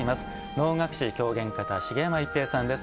能楽師狂言方茂山逸平さんです。